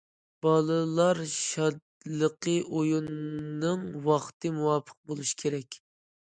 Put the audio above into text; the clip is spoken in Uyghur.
بالىلار شادلىقى ئويۇنىنىڭ ۋاقتى مۇۋاپىق بولۇشى كېرەك.